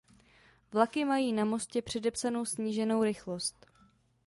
Vlaky mají na mostě předepsanou sníženou rychlost.